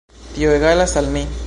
Tio egalas al mi.